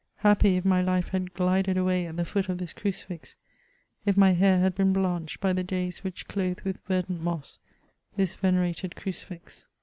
Happy, if my life had gUded away at the foot of this crucifix, if my hair had heen hlanched hy the days which clothed with verdant moss this venerated crucifix